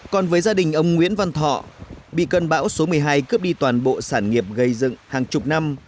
còn với gia đình ông nguyễn văn thọ bị cơn bão số một mươi hai cướp đi toàn bộ sản nghiệp gây dựng hàng chục năm